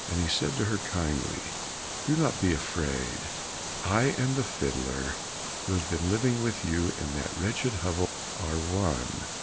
He said to her kindly, "Do not be afraid, I and the fiddler who has been living with you in that wretched hovel are one.